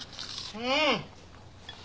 うん！